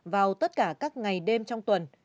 vào tất cả các ngày đêm trong tuần